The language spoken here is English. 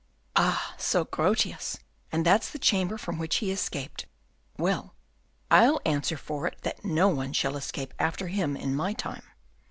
Ah! so Grotius; and that's the chamber from which he escaped. Well, I'll answer for it that no one shall escape after him in my time."